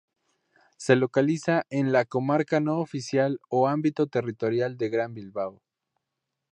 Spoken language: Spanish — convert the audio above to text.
Se localiza en la comarca no oficial o ámbito territorial del Gran Bilbao.